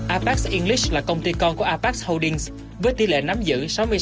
apex english là công ty con của apex holdings với tỷ lệ nắm giữ sáu mươi sáu ba mươi sáu